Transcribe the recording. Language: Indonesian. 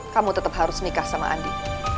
kamu tetap harus nikah sama andi